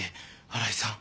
荒井さん。